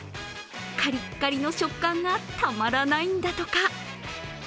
カリッカリの食感がたまらないんだとか。